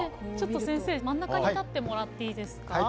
ちょっと先生真ん中に立ってもらっていいですか。